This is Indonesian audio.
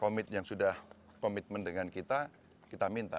komit yang sudah komitmen dengan kita kita minta